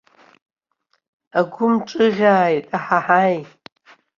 Агәы мҿыӷьааит, аҳаҳаи!